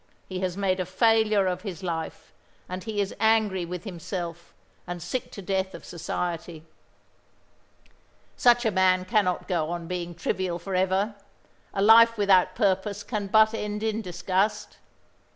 He has made a failure of his life, and he is angry with, himself, and sick to death of Society. Such a man cannot go on being trivial for ever. A life without purpose can but end in disgust.